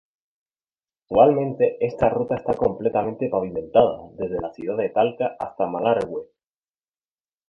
Actualmente, esta ruta está completamente pavimentada, desde la ciudad de Talca hasta Malargüe.